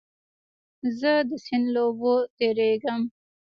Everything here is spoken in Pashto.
زه د سیند له اوبو تېرېږم.